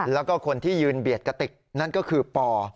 แล้วก็คนที่ยืนเบียดกระติกนั่นก็คือปอ